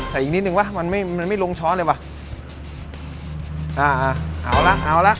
แต่อีกนิดนึงวะมันไม่มันไม่ลงช้อนเลยว่ะอ่าฮะเอาละเอาละ